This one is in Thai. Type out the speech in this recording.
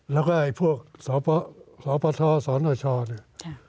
แล้วก็พวกสวพสวหน้าชนี่